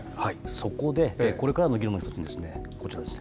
そこでこれからの議論のときにこちらです。